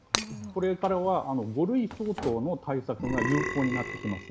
これからは五類相当の対策が有効になってきます。